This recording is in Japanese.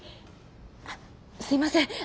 あすいません。